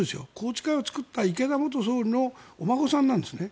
宏池会を作った池田元総理のお孫さんなんですね。